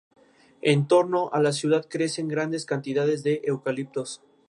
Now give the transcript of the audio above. Algunos han durado hasta ocho trimestres, mientras que otros han durado un trimestre.